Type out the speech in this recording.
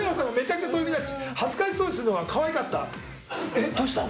えっどうしたの？